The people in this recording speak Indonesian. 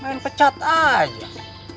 main pecat aja